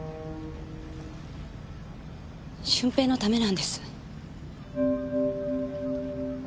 駿平のためなんです。